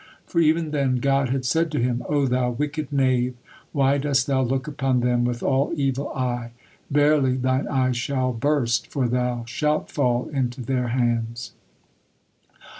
For even then God had said to him: "O thou wicked knave, why dost thou look upon them with all evil eye? Verily, thine eye shall burst, for thou shalt fall into their hands."